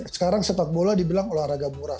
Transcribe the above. sekarang sepak bola dibilang olahraga murah